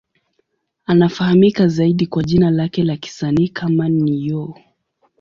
Anafahamika zaidi kwa jina lake la kisanii kama Ne-Yo.